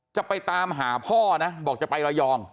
จะไปตามหาพ่อนะบอกจะไประยอง